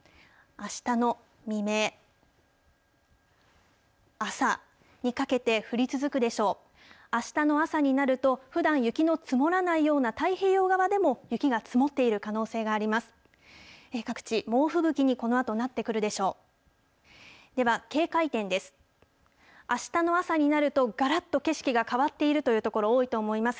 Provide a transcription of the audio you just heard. あしたの朝になると、ふだん雪の積もらないような太平洋側でも雪が積もっている可能性があります。